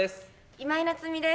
今井菜津美です。